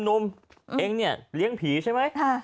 หนุ่มเองเนี่ยเลี้ยงผีใช่ไหม